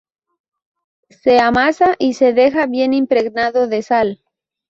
Se amasa y se deja bien impregnado de sal.